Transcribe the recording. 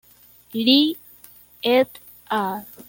Li "et al".